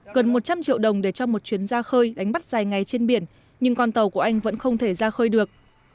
gần một trăm linh triệu đồng để cho một chuyến ra khơi đánh bắt dài ngày trên biển nhưng con tàu của anh vẫn không thể ra khơi được